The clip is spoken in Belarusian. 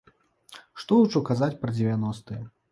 Што ўжо казаць пра дзевяностыя.